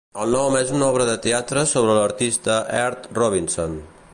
El nom és una obra de teatre sobre l'artista Heath Robinson.